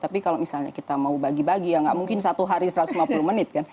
tapi kalau misalnya kita mau bagi bagi ya nggak mungkin satu hari satu ratus lima puluh menit kan